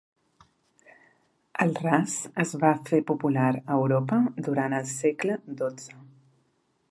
El ras es va fer popular a Europa durant el segle XII.